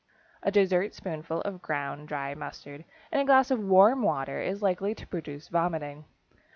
A dessert spoonful of ground dry mustard in a glass of warm water is likely to produce vomiting.